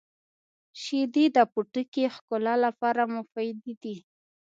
• شیدې د پوټکي ښکلا لپاره مفیدې دي.